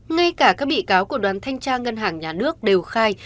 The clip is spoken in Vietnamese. ngay cả các bị cáo của đoàn thanh tra ngân hàng nhà nước đều khai